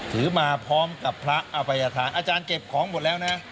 ถือมาพร้อมกับพระอภัยธานอาจารย์เก็บของหมดแล้วนะ